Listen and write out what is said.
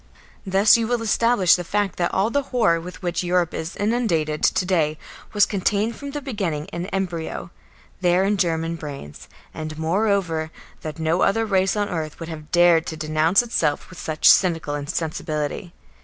Thus you will establish the fact that all the horror with which Europe is inundated to day was contained from the beginning in embryo there in German brains, and, moreover, that no other race on earth would have dared to denounce itself with such cynical insensibility.